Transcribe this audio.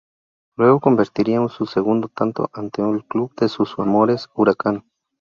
Luego convertiría su segundo tanto ante el club de sus amores, Huracán.